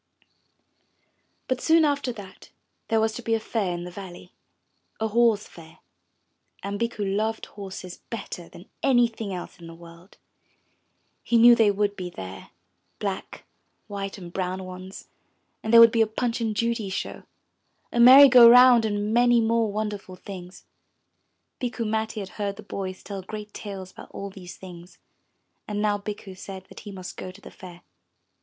But soon after that there was to be a fair in the valley, a Horse Fair, and Bikku loved horses better 397 MY BOOK HOUSE than anything else in the world. He knew they would be there — black, white and brown ones. And there would be a Punch and Judy Show, a merry go round, and many more wonderful things. Bikku Matti had heard the boys tell great tales about all these things, and now Bikku said that he must go to the Fair.